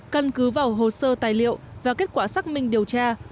căn cứ vào hồ sơ tài liệu và kết quả xác minh điều tra